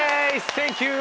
サンキュー！